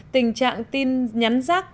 tình trạng tin nhắn giác